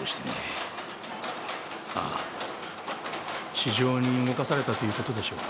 まぁ私情に動かされたということでしょうか。